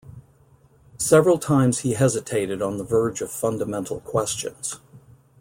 Several times he hesitated on the verge of fundamental questions.